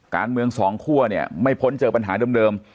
การเมืองสองคั่วเนี่ยไม่พ้นเจอปัญหาเดิม